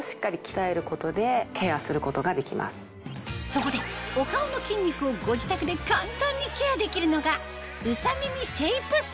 そこでお顔の筋肉をご自宅で簡単にケアできるのがこれ。